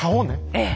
ええ。